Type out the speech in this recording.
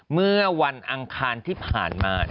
เมื่อวันอังคารที่ผ่านมา